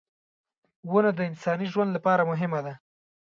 • ونه د انساني ژوند لپاره مهمه ده.